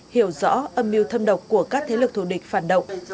hiểu rõ âm mưu thâm độc của các thế lực thù địch phản động